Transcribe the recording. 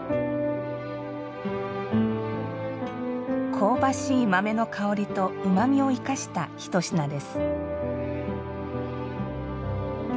香ばしい豆の香りとうまみを生かした一品です。